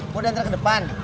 mau dantar ke depan